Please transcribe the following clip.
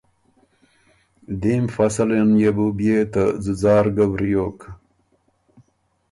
دیم فصلن يې بُو بيې ته ځُځار ګه وریوک۔